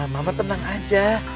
mama tenang aja